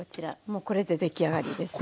もうこれで出来上がりです。